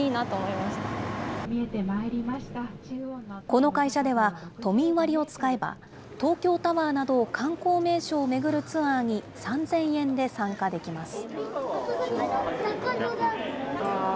この会社では、都民割を使えば東京タワーなど観光名所を巡るツアーに３０００円で参加できます。